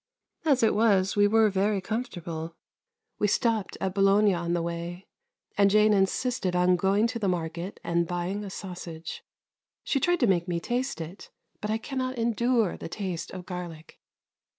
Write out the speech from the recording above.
As it was, we were very comfortable. We stopped at Bologna on the way, and Jane insisted on going to the market and buying a sausage. She tried to make me taste it, but I cannot endure the taste of garlic.